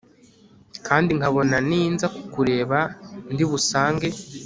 kandi nkabona ninza kukureba ndibusange